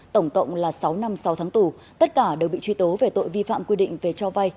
tổng cộng là sáu năm sáu tháng tù tất cả đều bị truy tố về tội vi phạm quy định về cho vay